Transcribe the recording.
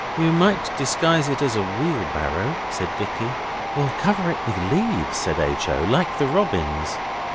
'You might disguise it as a wheel barrow,' said Dicky. 'Or cover it with leaves,' said H. O., 'like the robins.